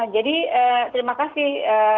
jadi terima kasih